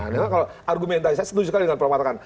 nah kalau argumentasi saya setuju sekali dengan perangkatan